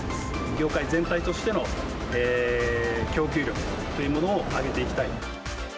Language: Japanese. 業界全体としての供給量というものを上げていきたい。